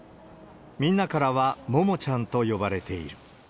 みんなからはももちゃんと呼ばれている。